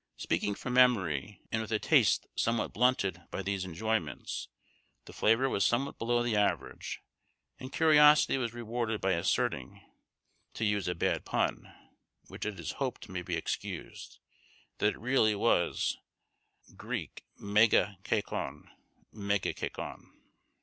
Speaking from memory, and with a taste somewhat blunted to these enjoyments, the flavour was somewhat below the average, and curiosity was rewarded by ascertaining—to use a bad pun, which it is hoped may be excused—that it really was [Greek: mega hkakon] (mega cakon).